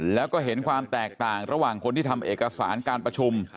แล้วก็เห็นความแตกต่างระหว่างคนที่ทำเอกสารการประชุม